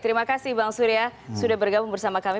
terima kasih bang surya sudah bergabung bersama kami